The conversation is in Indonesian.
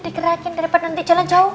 digerakin daripada nanti jalan jauh